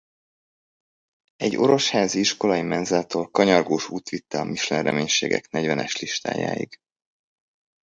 Egy orosházi iskolai menzától kanyargós út vitte a Michelin-reménységek negyvenes listájáig.